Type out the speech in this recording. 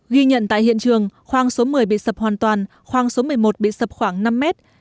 ghi nhận tại hiện trường khoang số một mươi bị sập hoàn toàn khoang số một mươi một bị sập khoảng năm mét